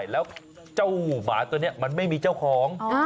แล้วเจ้าหมาตัวนี้มันไม่มีเจ้าของ